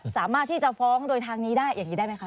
สามารถที่จะฟ้องโดยทางนี้ได้อย่างนี้ได้ไหมคะ